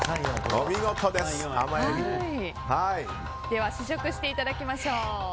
では試食していただきましょう。